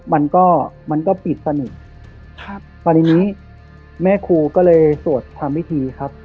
มันก็มันก็ปิดสนิทครับตอนนี้แม่ครูก็เลยสวดทำพิธีครับ